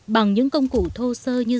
bằng những công cụ thô sơ như